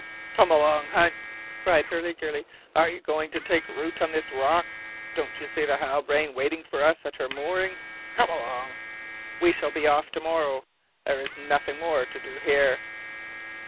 "Come along, Hunt," cried Hurliguerly. "Are you going to take root on this rock? Don't you see the Halbrane waiting for us at her moorings? Come along. We shall be off to morrow. There is nothing more to do here."